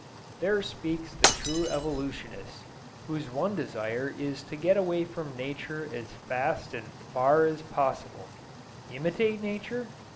There speaks the true evolutionist, whose one desire is to get away from nature as fast and far as possible. Imitate Nature?